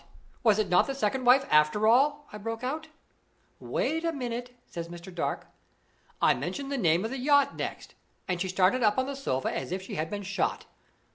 was it not the second wife, after all?" I broke out. "Wait a bit," says Mr. Dark. "I mentioned the name of the yacht next, and she started up on the sofa as if she had been shot.